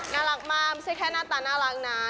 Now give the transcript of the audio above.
น่ารักมากไม่ใช่แค่หน้าตาน่ารักนะ